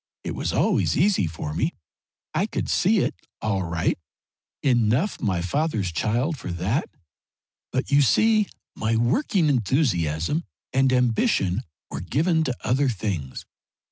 It was always easy for me. I could see it, all right enough my father's child for that, but you see my working enthusiasm and ambition were given to other things.